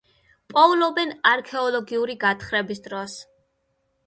პოულობენ არქეოლოგიური გათხრების დროს.